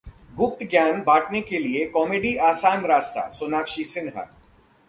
गुप्त ज्ञान बांटने के लिए कॉमेडी आसान रास्ताः सोनाक्षी सिन्हा